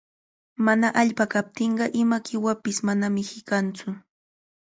Mana allpa kaptinqa ima qiwapish manami hiqanmantsu.